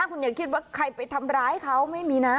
คุณอย่าคิดว่าใครไปทำร้ายเขาไม่มีนะ